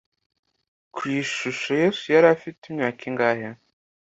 Ku ishusho Yesu yari afite imyaka ingahe